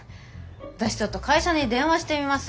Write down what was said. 私ちょっと会社に電話してみます。